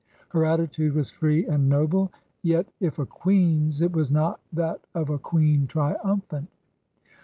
. Her attitude was free and noble; yet, if a queen's, it was not that of a queen triiunphant.